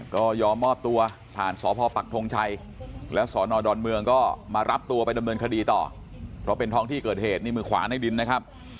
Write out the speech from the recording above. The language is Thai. ก็ยอมมอบตัวผ่านสพปักทงชัยแล้วสอนอดอนเมืองก็มารับตัวไปดำเนินคดีต่อเพราะเป็นท้องที่เกิดเหตุนี่มือขวาในดินนะครับ